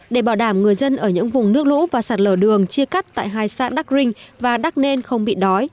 để bảo đảm người dân ở những vùng nước lũ và sạt lở đường chia cắt tại hai xã đắc rinh và đắc nên không bị đói